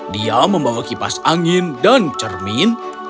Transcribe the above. dia membawa kipas angin dan cermin